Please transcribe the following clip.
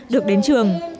được đến trường